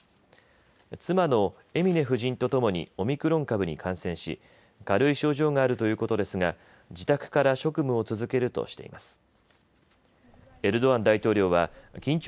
妻のエミネ夫人とともにオミクロン株に感染し軽い症状があるということですが自宅から職務を続けるとしています。